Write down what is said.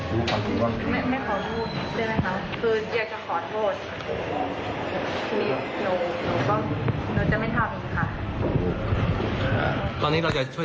เมื่อกี้ก็คำว่าอะไรกับเขาก่อนต่อ